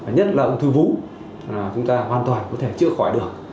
nhất là ung thư vú là chúng ta hoàn toàn có thể chữa khỏi được